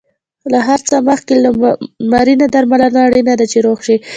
له هر څه مخکې لمرینه درملنه اړینه ده، چې روغ شې.